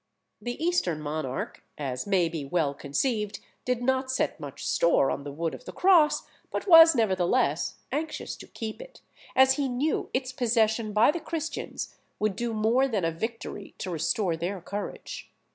The eastern monarch, as may be well conceived, did not set much store on the wood of the cross, but was nevertheless anxious to keep it, as he knew its possession by the Christians would do more than a victory to restore their courage.